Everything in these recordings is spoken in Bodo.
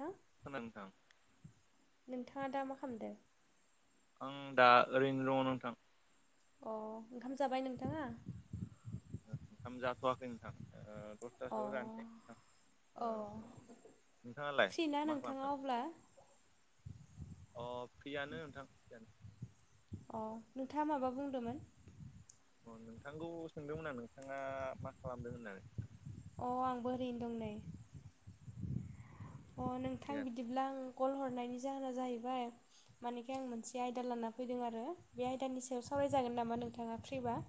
हो खोनान नोंथां। नोंथाङा दा मा खालामदों? आं दा ओरैनो दङ नोंथां। अ ओंखाम जाबाय नोंथाङा? [inaudible] ओंखाम जाथ'वाखै नोंथां ओ अ दसथासोआव जानोसै नोंथां अ ओ नोंथाङालाय फ्रि ना मा नोंथाङा खालामदों? अब्ला अ फ्रियानो नोंथां फ्रियानो। अ नोंथाङा माबा बुंदोंमोन? अ नोंथांखौ सोंदोंमोन नोंथाङा मा खालामदों होननानै। अ आंबो ओरैनो दं नै अ नोंथां बिदि ब्ला आं कल हरनायनि जाहोना जाहैबाय मानिखाय आं मोनसे आयदा लाना फैदों आरो बे आयदानि सायाव सावरायजागोन नामा नोंथाङा फ्रिबा।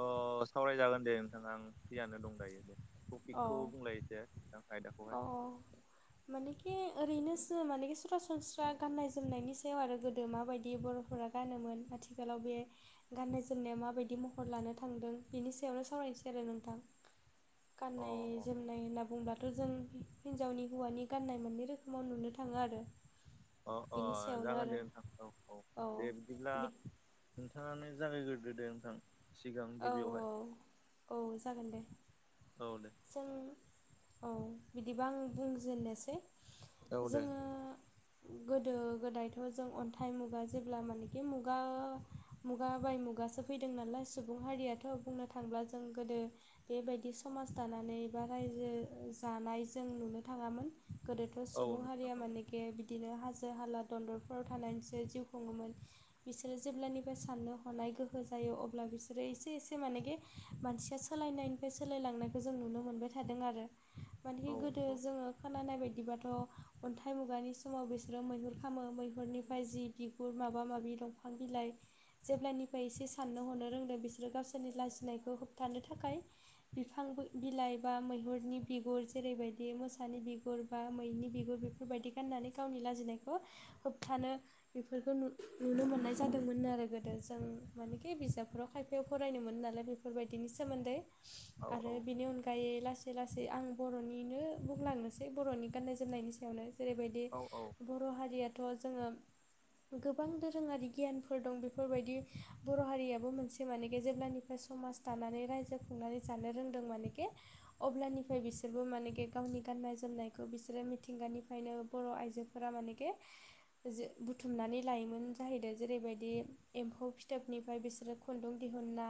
अ सावरायजागोन दे नोंथाङा आं फियानो दं दायो दे। टपिकखौ अ बुंलाय एसे थां अ आयदाखौहाय। मानेखि ओरैनोसो मानेखि सरासनस्रा गाननाय जोमनायनि सायाव आरो गोदो माबायदि बर'फोरा गानोमोन आथिखालाव बे गाननाय जोमनाया माबायदि महर लानो थांदों बिनि सायावनो सावरायनोसै आरो नोंथां। अ गाननाय जोमनाय होनना बुंब्लाथ' जों हिन्जावनि हौवानि गाननाय मोननै रोखोमाव नुनो थाङो आरो। अ अ बेनि सायावनो जागोन आरो दे नोंथां औ औ। दे बिदिब्ला बि नोंथाङानो जागायगोरदो दे नोंथां सिगां औ औ गिबियावहाय। औ जागोन दे। औ दे। जों औ बिदिबा आं बुंजेननोसै औ दे जोङो गोदो गोदायथ' जों अन्थाइ मुगा जेब्ला मानेखि मुगा मुगा बाय मुगासो फैदों नालाय सुबुं हारियाथ' बुंनो थांब्ला जों गोदो बेबायदि समाज दानानै बा रायजो जानाय जों नुनो थाङामोन। गोदोथ' औ सुबुं नोंथां हारिया औ माने बे बिदिनो हाजो हाला दनदरफ्राव थानानैसो जिउ खुङोमोन बिसोरो जेब्लानिफ्राय साननो हनाय गोहो जायो अब्ला बिसोर एसे एसे मानेखि मानसिया सोलायनायनिफ्राय सोलायलांनायखौ जों नुनो मोनबाय थादों आरो [unintelligible] मानेखि गोदो औ जोङो खोनानाय बायदिबाथ' अन्थाइ मुगानि समाव बिसोरो मैहुर खालामो मैहुरनिफ्राय जि बिगुर माबा माबि दंफां बिलाइ जेब्लानिफ्राय एसे साननो हनो रोंदों बिसोरो गावसोरनि लाजिनायखौ होबथानो थाखाय बिफां बिलाइ बा मैहुरनि बिगुर जेरैबायदि मोसानि बिगुर बा मैनि बिगुर बेफोरबायदि गाननानै गावनि लाजिनायखौ होबथानो बेफोरखौ नु नुनो मोननाय जादोंमोन आरो गोदो जों मानेखि बिजाबफोराव खायफा बेयाव फरायनो मोन नालाय बेफोरबायदिनि सोमोन्दै औ आरो बेनि अनगायै लासै लासै आं बर'निनो बुंलांनोसै बर'नि गाननाय जोमनायनि सायावनो जेरैबायदि औ औ बर' हारियाथ' जोङो गोबां दोरोङारि गियानफोर दं बेफोरबायदि बर' हारियाबो मोनसे जे मानेखे जेब्लानिफ्राय समाज दानानै रायजो खुंनानै जानो रोंदों मानेखि अब्लानिफ्राय बिसोरबो मानके गावनि गाननाय जोमनायखौ बिसोरो मिथिंगानिफ्रायनो बर' आइजो फोरा मानके जे बुथुमनानै लायोमोन जाहैदों जेरैबायदि एम्फौ फिथोबनिफ्राय बिसोरो खुन्दुं दिहुनना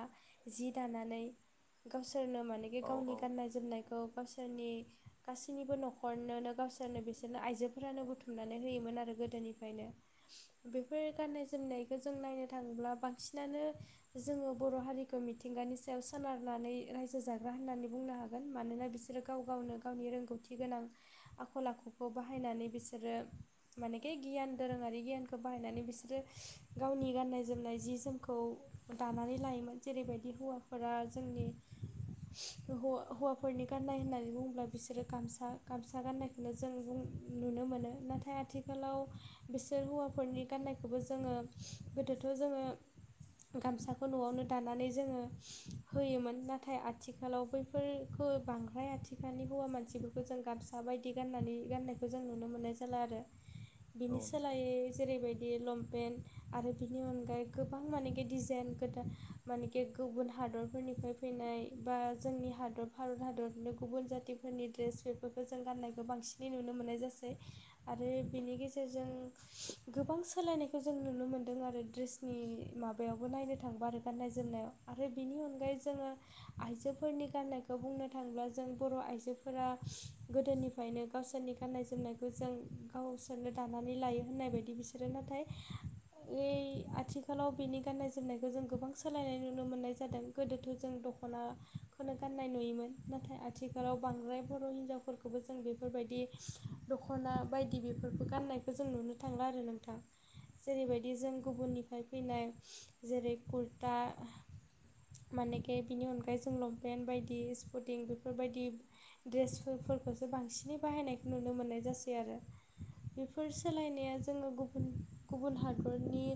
जि दानानै गावसोरनो मानेखि औ गावनि औ गाननाय जोमनायखौ गावसोरनि गासैनिबो न'खरनोनो गावसोरनो बिसोरनो आइजोफोरानो बुथुम थुमनानै होयोमोन आरो गोदोनिफ्रायनो बेफोर गाननाय जोमनायखौ जों नायनो थाङोब्ला बांसिनानो जोङो बर' हारिखौ मिथिंगानि सायाव सोनारनानै रायजो जाग्रा होननानै बुंनो हागोन मानोना बिसोर बिसोरो गाव गावनो गावनि रोंगौथि गोनां आखल आखुखौ बाहायनानै बिसोरो मानेखे गियान दोरोङारि गियानखौ बाहायनानै बिसोरो गावनि गाननाय जोमनाय जि जोमखौ दानानै लायोमोन जेरैबायदि हौवाफोरा जोंनि हौवाफोरनि गाननाय होननानै बुङोब्ला बिसोरो गामसा गामसा गाननायखौ जों नुनो मोनो नाथाय आथिखालाव बिसोर हौवाफोरनि गाननायखौबो जोङो गोदोथ' जोङो गामसाखौ न'आवनो दानानै जोङो होयोमोन नाथाय आथिखालाव बै फोरखौ बांद्राय आथिखालनि हौवा मानसिफोरखौ जों गामसा बायदि गाननानै गाननाय बे खौ जों नुनो मोननाय जाला आरो बिनि औ नंगौ सोलायै जेरैबायदि लंपेन्ट आरो बिनि अनगायै गोबां माने डिजाइन गोदान मानेकि गुबुन हादरफोरनिफ्राय फैनाय बा जोंनि हादर भारत हादरनो गुबुन जातिफोरनि ड्रेस बेफोरखौ जों गाननायखौ बांसिनै नुनो मोननाय जासै आरो बिनि गेजेरजों गोबां सोलायनायखौ जों नुनो मोनदों आरो दड्रेसनि माबा बेयावबो नायनो थाङोबा आरो गान्नाय जोमनायाव आरो बिनि अनगायै जोङो आइजोफोरनि गाननायखौ बुंनो थाङोब्ला जों बर' आइजोफोरा गोदोनि ओंखायनो गावसोरनि गाननाय जोमनायखौ जों गावसोरनो दानानै लायो होननाय बायदि बिसोरो नाथाय बै आथिखालाव बेनि गाननाय जोमनायखौ जों गोबां सोलायनाय नुनो मोन्नाय जादों गोदोथ' जों दख'ना खौनो गाननाय नुयोमोन नाथाय आथिखालाव बांद्राय बर' हिनजावफोरखौबो जों बेफोरबायदि दख'ना बायदि बेफोरखौ गाननायखौ जों नुनो थांला आरो नोंथां जेरैबायदि जों गुबुननिफ्राय फैनाय जेरै कुर्टा मानेखे बिनि अनगायै जों लंपेन्ट बायदि स्पटिं बेफोरबायदि ड्रेसफोरखौसो बांसिनै बाहायनायखौ नुनो मोननाय जासै आरो बेफोर सोलायनाया जोङो गुबुन गुबुन हादरनि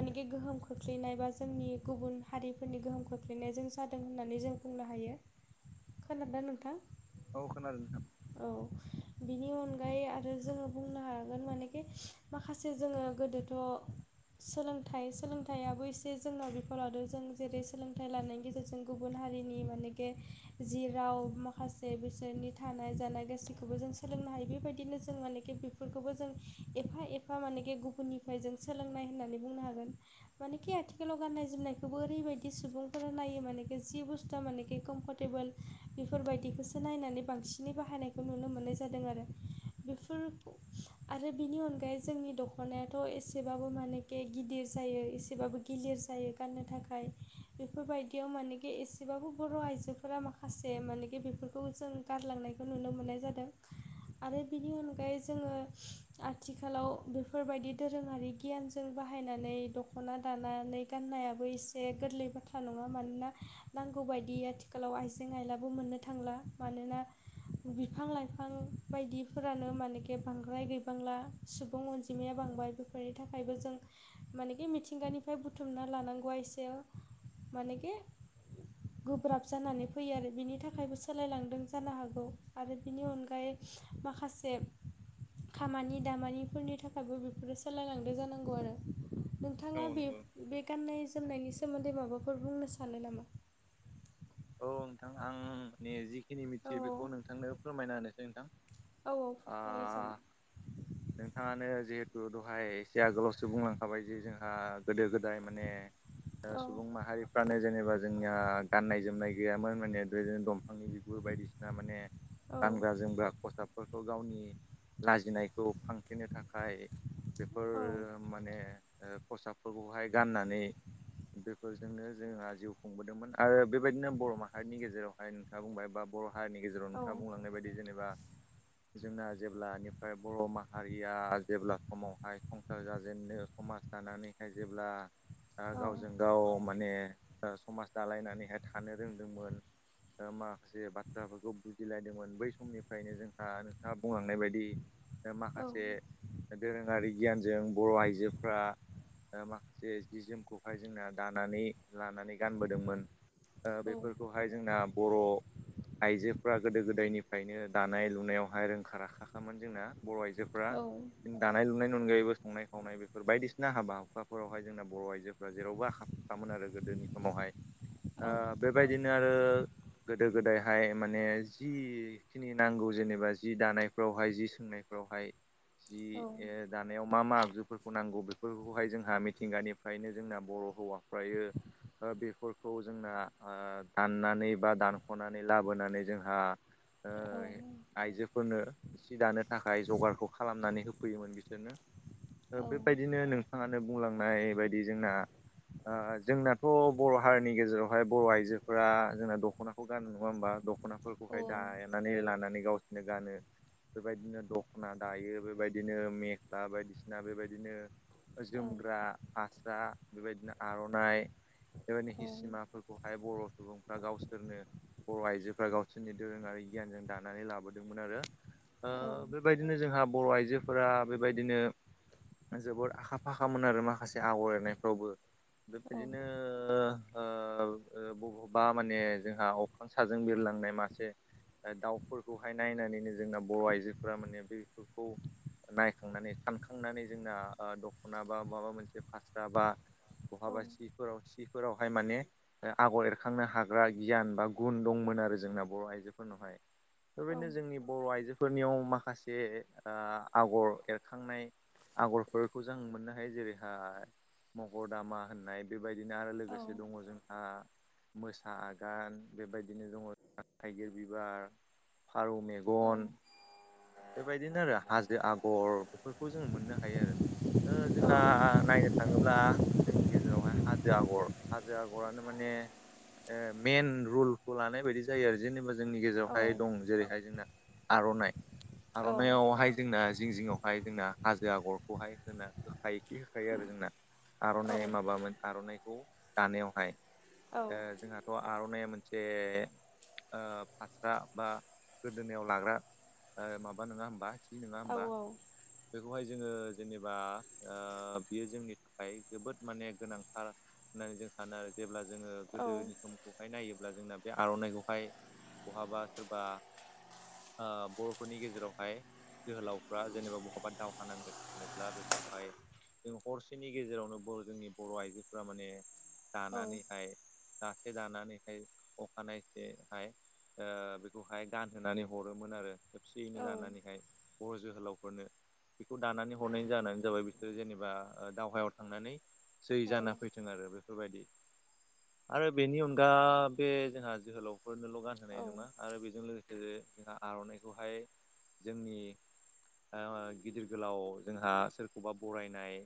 मानेकि गोहोम खोख्लैनाय बा जोंनि गुबुन हारिफोरनि गोहोम खोख्लैनायजों जादों होननानै जों बुंनो हायो [unintelligible] खोनादोना नोंथां औ खोनादों नोंथां औ बिनि अनगायै आरो जोङो बुंनो हागोन मानेखि माखासे जोङो गोदोथ' सोलोंथाइ सोलों फिथाइाबो एसे जोंनना बिफोरावदों जों जेरै सोलोंथाइ लानायनि गेजेरजों गुबुन हारिनि मानेके जि राव माखासे बिसोरनि थानाय जानाय गासैखौबो जों सोलोंनो हायो बेबायदिनो जों मानेखि बे फोरफोरखौबो जों एफा एफा मानेखि गुबुननिफ्राय जों सोलोंनाय होननानै बुंनो हागोन मानेखि आथिखालाव गाननाय जोमनायखौबो ओरैबायदि सुबुंफोरा नायो मानेखि जि बुस्थुआ मानेखि कम्फरटेबोल बेफोरबायदिखौसो नायनानै बांसिनै बाहायनायखौ नुनो मोननाय जादों आरो बेफोर आरो बेनि अनगायै जोंनि दख'नायाथ' एसेबाबो माने ए गिदिर जायो एसे एसेबाबो गिलिर जायो गाननो थाखाय बेफोरबायदियाव मानेखि एसेबाबो बर' आइजोफोरा माखासे माखासे मानेखि बेफोरखौ जों गारलांनायखौ नुनो मोननाय जादों आरो बेनि अनगायै जोङो आथिखालाव बेफोरबायदि दोरोङारि गियान जोल बाहायनानै ड दख'ना दानानै गाननायाबो एसे गोरलै बाथ्रा नङा मानोना नांगौ बायदिया आथिखालाव आइजें आयलाबो मोननो थांला मानोना बिफां लाइफां बायदिफोरानो मानेके बांद्राय गैबांला सुबुं अनजिमाया बांबाय बे बेफोरनि थाखायबो जों बे मिथिंगानिफ्राय बुथुमना लानांगौ एसे मानेखि गोब्राब जानानै फैयो आरो बिनि थाखायबो सोलायलांदों जानो हागौ आरो बिनि अनगायै माखासे खामानि दामानिफोरनि थाखायबो बेफोरो सोलायलांदो जानांगौ आरो औ नोंथाङा बे नंगौ बे गान्नाय जोमनायनि सोमोन्दै माबाफोर बुंनो सानो नामा औ नोंथां आं जिखिनि औ मिथियो बेखौ नोंथांनो फोरमायना होनोसै नोंथां औ औ आ फोरमायो जागोन नोंथाङानो जिहेथु दहाय एसे आगोलावसो बुंलांखाबाय जे जोंहा गोदो गोदाय माने औ सुबुं माहारिफ्रानो जेनेबा जोंनिया गाननाय जोमनाय गैयामोन माने नो दंफांनि बिगुर बायदिसिना माने औ गानग्रा जोमग्रा खस्थ फोरखौ गावनि लाजिनायखौ फांखेनो थाखाय बेफोर औ माने खसाबफोरखौहाय गाननानै बेफोरजोंनो जोंहा जिउ खुंबोदोंमोन आरो बे बेबायदिनो बर' माहारिनि गेजेरावहाय नोंथाङा बुंबाय बा बर' हारिनि गेजेराव औ नोंथाङा बुंलांनाय बायदि जेनेबा जोंना जेब्लानिफ्राय बर' माहारिया जेब्ला समावहाय संसार जाजेननो समाज दानानैहाय जेब्ला औ गावजों गाव माने समाज दालायनानैहाय थानो रोंदोंमोन माखासे बाथ्राफोरखौ बुजिलायदोंमोन बै समनिफ्रायनो जोंहा नोंथाङा बुंलांनाय बायदि औ माखासे दोरोङारि गियानजों बर' आइजोफ्रा माखासे जि जोमखौहाय जोंना दानानै लानानै गानबोदोंमोन बेफोरखौहाय जोंना बर' आइजोफोरा गोदो गोदायनिफ्रायनो दानाय लुनायावहाय रोंखा राखाखामोन जोंना बर' आइजो फ्रा औ दानाय लुनायनि अनगायैबो संनाय खावनाय बेफोर बायदिसिना हाबा हुखाफोरावहाय जोंना बर' आइजोफ्रा जेरावबो आ थामोन आरो गोदोनि समावहाय ओ बेबायदिनो आरो गोदो गोदायहाय माने जि खिनि नांगौ जेनेबा जि दानायफ्रावहाय जि सोंनायफ्रावहाय जि औ दानायाव मा मा आगजुफोरखौ नांगौ बेफोरखौहाय जोंहा मिथिंगानिफ्रायनो जोंना बर' हौवाफ्रायो बेफोरखौ जोंना दाननानै बा दानख'नानै लाबोनानै जोंहा औ औ आइजोफोरनो सि दानो थाखाय जगारखौ खालामनानै होफैयोमोन बिसोरनो बेबायदिनो नों बिथाङानो बुंलांनाय बायदि जोंना ओ जोंनाथ' बर' हारि जोंनि गेजेरावहाय बर' आइजोफोरा जोंना दख'नाखौ गान नङा होमबा दख'नाफोरखौहाय दा साननानै लानानै गावसोरनो गानो बेबायदिनो दख'ना दायो बेबायदिनो मेख्ला बायदिसिना बेबायदिनो जोमग्रा हास्रा बेबायदिनो आर'नाइ बेबायदि हि बेहाय बर' सुबुंफ्रा गावसोरनो बर' आइजोफ्रा गावसोरनि दोरोङारि गियानजों दानानै लाबोदोंमोन आरो बे बेबायदिनो जोंहा बर' आइजोफोरा बेबायदिनो जोबोद आखा फाखामोन आरो माखासे आगर एरनायफ्रावबो बेबायदिनो ओ बबेबा माने जोंहा अख्रां साजों बिरलांनाय मासे दाउफोरखौहाय नायनानैनो जोंना बर' आइजोफोरा माने बेफोरखौ नायखांनानै सानखांनानै जोंना दख'ना बा माबा मोनसे फास्रा बा बहाबा सिफोराव सिफोराव माने आगर एरखांनो हाग्रा गियान बा गुन दंमोन आरो जोंना बर' आइजो बेदिनो जोंनि बर आइजो फोरनियाव माखासे आगर एरखांनाय आगरफोरखौ जों मोननो हायो जेरैहाय मगर दामा होननाय बेबायदिनो आरो लोगोसे दङ जोंहा मोसा आगान बेबायदिनो दङ थाइगिर बिबार फारौ मेगन बेबायदिनो आरो हाजो आगर बेफोरखौ जों मोननो हायो आरो। जोंहा नायनो थाङोब्ला जोंनि गेजेरावहाय हाजो आगर हाजो आगरानो माने मेन रलखौ लानाय बायदि जायो आरो जेनेबा जोंनि गेजेरावहाय दं जेरैहाय जोंना आर'नाइ आर'नाइावहाय जोंना जिं जिङआवहाय जोंना हाजो आगरखौहाय होना होखायोखि होखायो आरो जोंना आर'नाइ माबामोन आर'नाइखौ दानायावहाय जोंहा ओ थ' आर'नाइ मोनसे फास्रा बा गोदोनायाव लाग्रा माबा नङा होमबा जि नङा औ होमबा औ बेखौहाय जोंङो जेनेबा बियो जोंनि थाखाय जोबोद माने गोनांथार होननानै जों सानो आरो जेब्ला जोंङो औ गोदोनि समखौ बे नायोब्ला जोंना बे आर'नाइखौहाय बहाबा सोरबा बर फोरनि गेजेरावहाय जोहोलावफ्रा जेनेबा बहाबा दावहा नांगोन होनोब्ला बेखौहाय जों हरसेनि गेजेरावनो जोंनि बर' आइजोफोरा माने दानानैहाय दसे जानानैखाय अखानायसेहाय ओ बेखौहाय गानहोनानै हरोमोन आरो खेबसेयैनो दानानैहाय बर' जोहोलावफोरनो बेखौ दानानै हरनायनि जाहोनानो जाबाय बिसोरो जेनेबा दावहायाव थांनानै जै जाना फैथों आरो बेफोरबायदि आरो बेनि अनगा बे जोंहा जोहोलावफोरनोल' औ गानहोनाय नङा आरो बेजों लोगोसे जोंहा आर'नाइखौहाय जोंनि ओ गिदिर गोलाव जोंहा सोरखौबा बरायनाय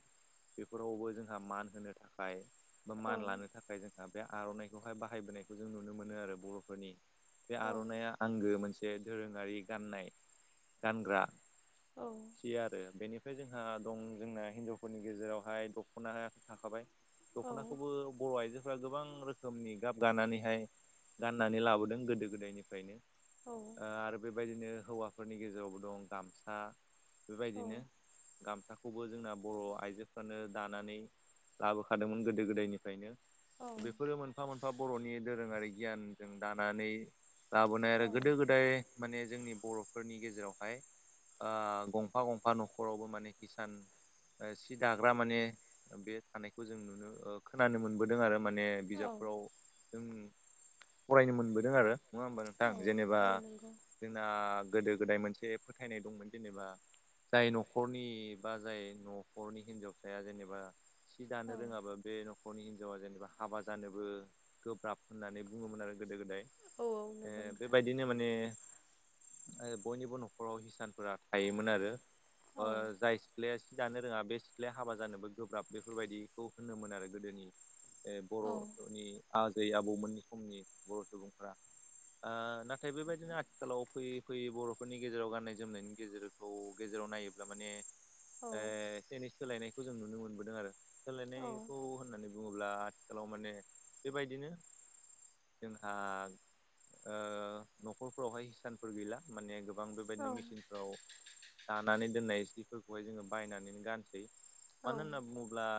बेफोरावबो जोंहा मान होनो थाखाय बा औ मान लानो थाखाय जोंहा बे आर'नाइखौहाय बाहायबोनायखौ जों नुनो मोनो आरो बर'फोरनि बे आर'नाइया आंगो मोनसे दोरोङारि गाननाय गानग्रा औ खिया आरो बेनिफ्राय जोंहा दं जोंना हिजावफोरनि गेजेरावहाय दख'ना थाखाबाय दख'नाखौबो बर' आइजों गोबां रोखोमनि गाब गानानैहाय गाननानै लाबोदों गोदो गोदायनिफ्रायनो ओ आरो बेबायदिनो हौवाफोरनि गेजेरावबो दं गामसा बेबायदिनो गामसाखौबो जोंना बर' आइजोफ्रानो दानानै लाबोखादोंमोन गोदो गोदायनिफ्रायनो बेफोरो मोनफा मोनफा बर'नि दोरोङारि गियानजों दानानै लाबोनाय आरो गोदो गोदाय माने जोंनि बर'फोरनि गेजेरावहाय ओ गंफा गंफा न'खरावबो माने किसान सि दाग्रा माने बे थानायखौ जों नुनो खोनानो मोनबोदों आरो माने औ बिजाबफोराव जों फरायनो मोनबोदों आरो नङा होमबा नोंथां औ जेनेबा औ नंगौ जोंना गोदो गोदाय मोनसे फोथायनाय दंमोन जेनेबा जाय न'खरनि बा जाय न'खरनि हिनजावसाया जेनेबा सि औ दानो रोङाबा बे नखरनि हिनजावा जेनेबा हाबा जानोबो गोब्राब होननानै बुङोमोन आरो गोदो गोदाय औ ए नंगौ नोंथां बेबायदिनो माने बयनिबो न'खराव हिसानफोरा थायोमोन आरो औ जाय सिथ्लाया सि दानो रोङा बे सिथ्लाया हाबा जानोबो गोब्राब बेफोरबायदिखौ होनोमोन आरो गोदोनि औ बर'नि आजै आबौमोननि समनि बर' सुबुंफ्रा नाथाय बेबायदिनो आथिखालाव फैयै फैयै बर'फोरनि गेजेराव गाननाय जोमनायनि गेजेरखौ गेजेराव नायोब्ला माने ए एसे सोलायनायखौ जों नुनो मोनबोदों आरो सोलायनायखौ होननानै बुङोब्ला आथिखालाव माने बेबायदिनो जोंहा ओ न'खर फावहाय हिसानफोर गैला माने गोबां औ बेबायदिनो मेचिनफ्राव दानानै दोननाय सिफोरखौहाय जोङो बायनानैनो गानसै औ मानो होनना बुङोब्ला